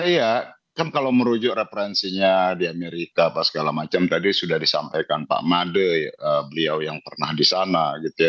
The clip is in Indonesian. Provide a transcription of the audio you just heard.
iya kan kalau merujuk referensinya di amerika apa segala macam tadi sudah disampaikan pak made beliau yang pernah di sana gitu ya